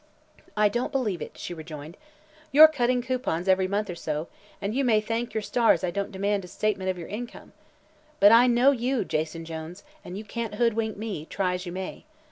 "I don't believe it," she rejoined. "You're cutting coupons every month or so, and you may thank your stars I don't demand a statement of your income. But I know you, Jason Jones, and you can't hoodwink me, try as you may.